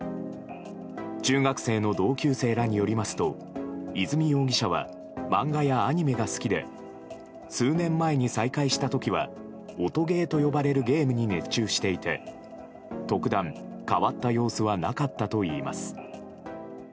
中学生の同級生らによりますと和美容疑者は漫画やアニメが好きで数年前に再会した時は音ゲーと呼ばれるゲームに熱中していて特段、変わった様子はなかったといいます。